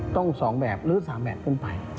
ต้อง๒แบบหรือ๓แบบขึ้นไป